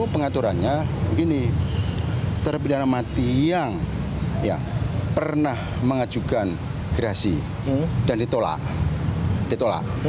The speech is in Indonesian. pengaturannya ini terhadap berdana mati yang pernah mengajukan gerasi dan ditolak